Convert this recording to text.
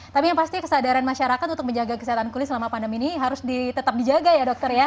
tapi yang pasti kesadaran masyarakat untuk menjaga kesehatan kulit selama pandemi ini harus tetap dijaga ya dokter ya